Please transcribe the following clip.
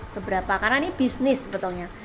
seberapa karena ini bisnis sebetulnya